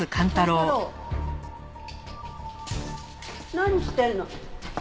何してんの？